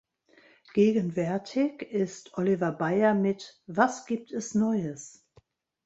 Gegenwärtig ist Oliver Baier mit "Was gibt es Neues?